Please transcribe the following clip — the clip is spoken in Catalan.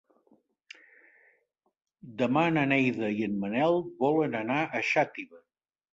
Demà na Neida i en Manel volen anar a Xàtiva.